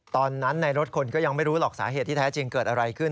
ตอนนั้นในรถคนก็ยังไม่รู้หรอกสาเหตุที่แท้จริงเกิดอะไรขึ้น